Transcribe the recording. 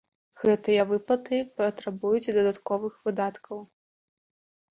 Гэтыя выплаты патрабуюць дадатковых выдаткаў.